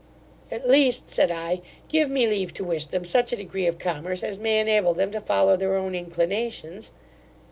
'At least (said I), give me leave to wish them such a degree of commerce as may enable them to follow their own inclinations.